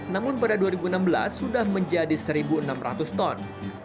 namun pada dua ribu enam belas sudah menjadi satu enam ratus ton